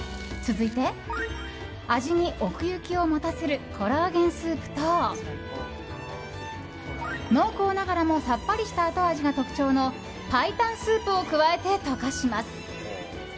続いて味に奥行きを持たせるコラーゲンスープと濃厚ながらもさっぱりした後味が特徴の白湯スープを加えて溶かします。